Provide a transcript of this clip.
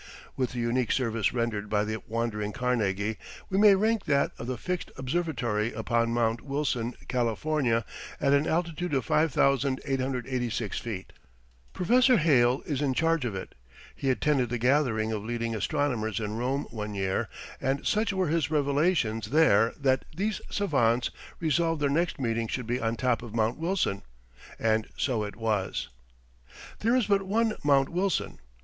With the unique service rendered by the wandering "Carnegie," we may rank that of the fixed observatory upon Mount Wilson, California, at an altitude of 5886 feet. Professor Hale is in charge of it. He attended the gathering of leading astronomers in Rome one year, and such were his revelations there that these savants resolved their next meeting should be on top of Mount Wilson. And so it was. There is but one Mount Wilson.